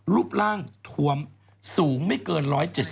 รูปร่างทวมสูงไม่เกิน๑๗๐